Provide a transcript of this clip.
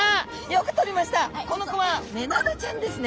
この子はメナダちゃんですね！